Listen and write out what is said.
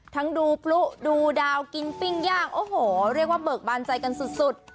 ดูพลุดูดาวกินปิ้งย่างโอ้โหเรียกว่าเบิกบานใจกันสุด